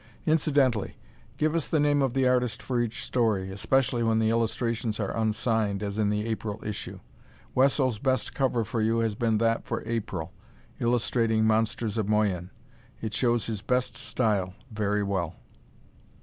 Incidentally, give us the name of the artist for each story, especially when the illustrations are unsigned, as in the April issue. Wesso's best cover for you has been that for April, illustrating "Monsters of Moyen." It shows his best style very well.